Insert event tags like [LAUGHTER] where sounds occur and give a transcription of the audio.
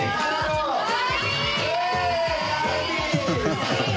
ハハハ [LAUGHS]